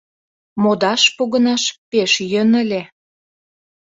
Модаш погынаш пеш йӧн ыле.